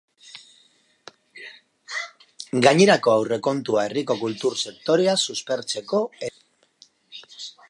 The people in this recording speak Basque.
Gainerako aurrekontua herriko kultur sektorea suspertzeko erabiliko da.